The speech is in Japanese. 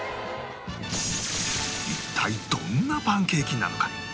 一体どんなパンケーキなのか？